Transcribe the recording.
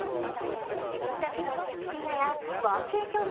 自分だけの趣味部屋やワーケーション